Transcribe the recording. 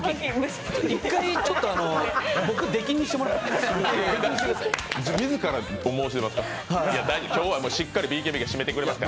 １回、ちょっと僕、出禁にしてもらっていいですか。